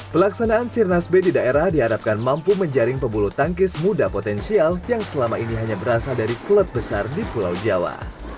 pelaksanaan sirnas b di daerah diharapkan mampu menjaring pebulu tangkis muda potensial yang selama ini hanya berasal dari klub besar di pulau jawa